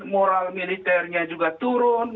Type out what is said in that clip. moral militernya juga turun